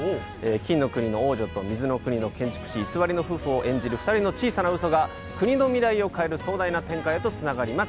金の国の王女と水の国の建築士偽りの夫婦を演じる２人の小さなウソが国の未来を変える壮大な展開へとつながります